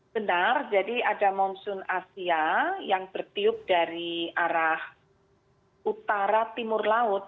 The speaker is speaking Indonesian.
benar jadi ada monsoon asia yang bertiup dari arah utara timur laut